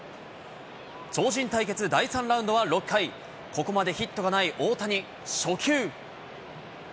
超人対決第３ラウンドは６回、ここまでヒットがない大谷、初球。